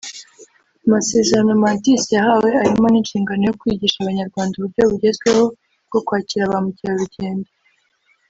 Amasezerano Mantis yahawe arimo n’inshingano yo kwigisha Abanyarwanda uburyo bugezweho bwo kwakira ba mukerarugendo